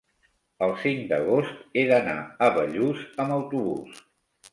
El cinc d'agost he d'anar a Bellús amb autobús.